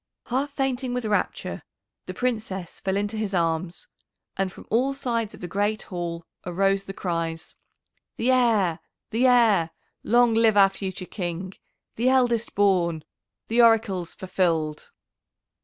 Half fainting with rapture the Princess fell into his arms, and from all sides of the great hall arose the cries, "The Heir! The Heir! Long live our future King! The eldest born! The Oracle's fulfilled!"